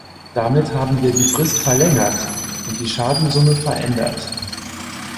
Damit haben wir die Frist verlängert und die Schadensumme verändert.